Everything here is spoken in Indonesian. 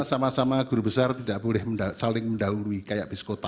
sama sama guru besar tidak boleh saling mendahului kayak base kota